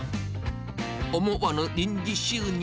思わぬ臨時収入。